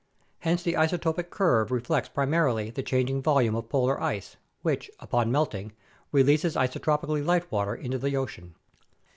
Hence the isotopic curve reflects primarily the changing volume of polar ice, which, upon melting, releases isotopically light water into the ocean.